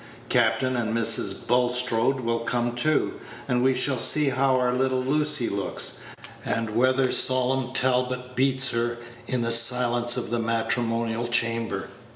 Captain and Mrs. Bulstrode will come too; and we shall see how our little Lucy looks, and whether solemn Talbot beats her in the silence of the matrimonial chamber.